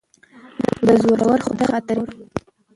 دزورور خدای په خاطر یه واوره